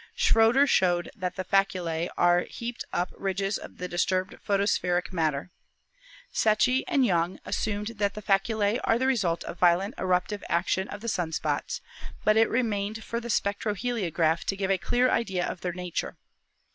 Schroter showed that the facube are heaped up ridges of the disturbed photospheric matter. Secchi and Young assumed that the faculse are the result of violent eruptive action of the sun spots, but it remained for the spectroheliograph to give a clear idea of their nature.